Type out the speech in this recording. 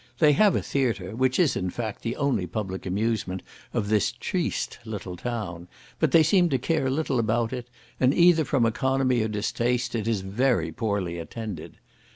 They have a theatre, which is, in fact, the only public amusement of this triste little town; but they seem to care little about it, and either from economy or distaste, it is very poorly attended.